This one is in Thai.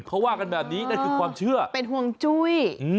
เขาว่ากันแบบนี้นั่นคือความเชื่อเป็นห่วงจุ้ย